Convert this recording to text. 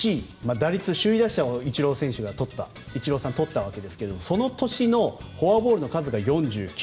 打率、首位打者をイチローさんはとったわけですがその年のフォアボールの数が４９。